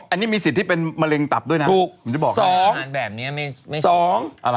อันนี้มีสิทธิเป็นมะเร็งตับด้วยนะ